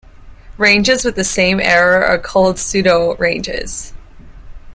Ranges with the same error are called pseudoranges.